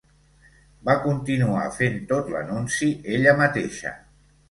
Va continuar fent tot l'anunci ella mateixa.